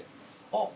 あっ。